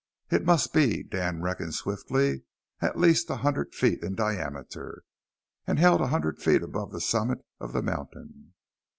It must be, Dan reckoned swiftly, at least a hundred feet in diameter, and held a hundred feet above the summit of the mountain.